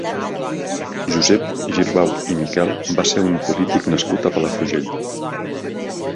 Josep Girbau i Miquel va ser un polític nascut a Palafrugell.